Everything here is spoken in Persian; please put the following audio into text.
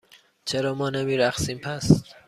چرا ما نمی رقصیم، پس؟